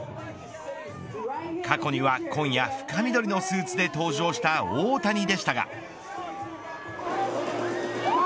過去には紺や深緑のスーツで登場した大谷でしたが。